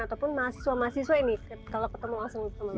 ataupun mahasiswa mahasiswa ini kalau ketemu langsung